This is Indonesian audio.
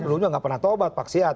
belumnya nggak pernah tobat paksiat